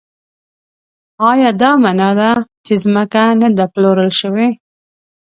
ایا دا مانا ده چې ځمکه نه ده پلورل شوې؟